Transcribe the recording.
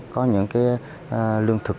có những cái lương thực